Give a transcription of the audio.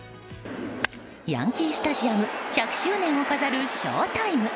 ヤンキー・スタジアム１００周年を飾るショウタイム。